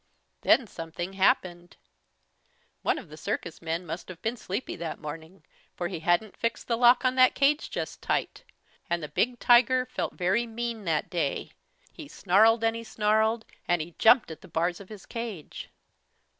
Then something happened! One of the circus men must have been sleepy that morning, for he hadn't fixed the lock on that cage just tight. And the big tiger felt very mean that day. He snarled and he snarled, and he jumped at the bars of his cage.